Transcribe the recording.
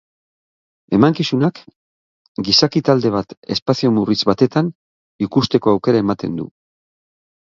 Emankizunak gizaki talde bat espazio murritz batetan ikusteko aukera ematen du.